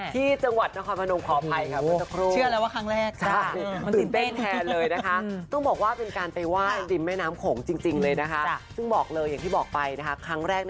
ที่จังหวัดนโคมนมขอบภัยครับ